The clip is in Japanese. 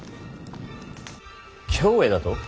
京へだと？